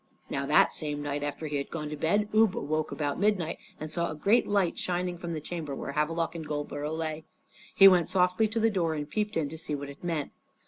Now that same night, after he had gone to bed, Ubbe awoke about midnight and saw a great light shining from the chamber where Havelok and Goldborough lay. He went softly to the door and peeped in to see what it meant.